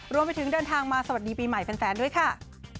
รวมไปถึงเดินทางมาสวัสดีปีใหม่แฟนแฟนด้วยค่ะ